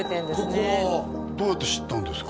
ここはどうやって知ったんですか？